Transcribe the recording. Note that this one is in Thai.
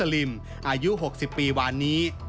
ยากีเบนมุสลิมอายุ๖๐ปีวานนี้